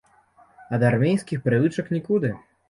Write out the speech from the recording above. Ад армейскіх прывычак нікуды.